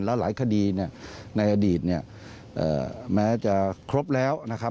แล้วหลายคดีเนี่ยในอดีตเนี่ยแม้จะครบแล้วนะครับ